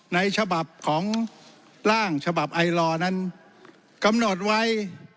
ในฉบับของร่างฉบับไอลอนั้นกำหนดไว้